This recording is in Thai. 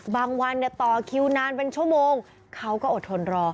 วันต่อคิวนานเป็นชั่วโมงเขาก็อดทนรอ